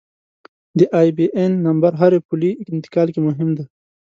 د آیبياېن نمبر هر پولي انتقال کې مهم دی.